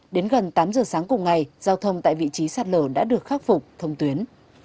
đến gần tám giờ sáng cùng ngày giao thông tại vị trí sạt lở đã được khắc phục thông tuyến